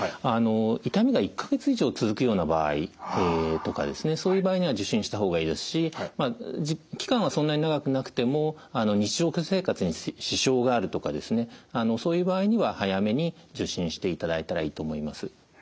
痛みが１か月以上続くような場合とかそういう場合には受診した方がいいですし期間はそんなに長くなくても日常生活に支障があるとかですねそういう場合には早めに受診していただいたらいいと思います。